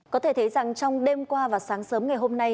có thể thấy rằng trong đêm qua và sáng sớm ngày hôm nay